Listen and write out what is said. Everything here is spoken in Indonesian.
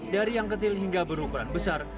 dari yang kecil hingga berukuran besar